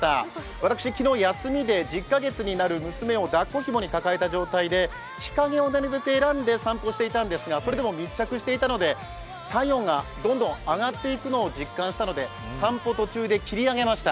私、昨日休みで、１０か月になる娘をだっこひもに抱えた状態で日陰をなるべく選んで散歩していたんですが、それでも密着していたので体温がどんどん上がっていくのを実感したので散歩途中で切り上げました。